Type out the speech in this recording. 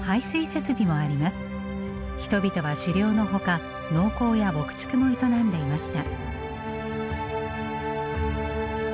人々は狩猟のほか農耕や牧畜も営んでいました。